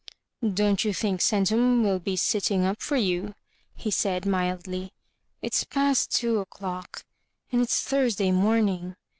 "Don't you think Centum will be sitting up for you ?" he said, mildly ;it's past two o'clock; and it*8 Thursday morning."